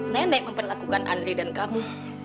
nenek memperlakukan andre dan kamu